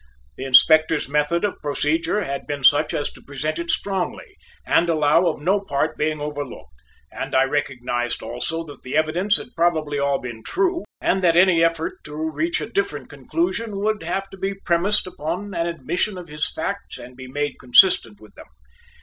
The Inspector's method of procedure had been such as to present it strongly and allow of no part being overlooked; and I recognized also that the evidence had probably all been true and that any effort to reach a different conclusion would have to be premised upon an admission of his facts and be made consistent with them.